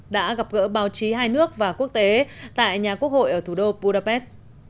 đã gặp gỡ báo chí hai nước và quốc tế tại nhà quốc hội ở thủ đô budapest